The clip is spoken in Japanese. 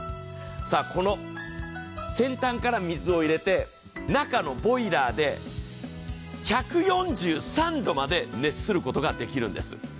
この先端から水を入れて、中のボイラーで１４３度まで熱することができるんです。